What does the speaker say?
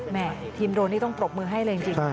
แม่ทีมโดรนนี่ต้องปรบมือให้เลยจริง